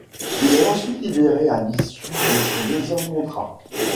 Il est ensuite libéré à l'issue de son deuxième contrat.